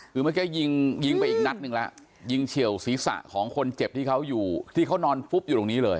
คือเมื่อกี้ยิงไปอีกนัดนึงละยิงเฉี่ยวศีรษะของคนเจ็บที่เขานอนฟุบอยู่ตรงนี้เลย